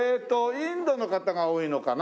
インドの方が多いのかな？